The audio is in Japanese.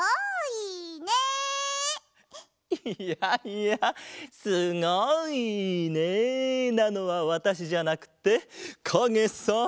いやいや「すごいね！」なのはわたしじゃなくってかげさ。